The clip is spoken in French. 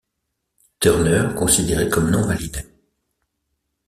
Turner, considérée comme non valide.